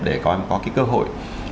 để các em có cái cơ hội